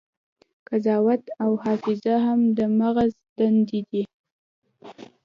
قضاوت او حافظه هم د مغز دندې دي.